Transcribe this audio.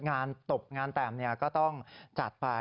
ตบงานแต่งก็ต้องจัดไป